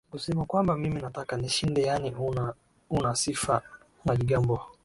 kusema kwamba mimi nataka nishinde yaani una una sifa majigambo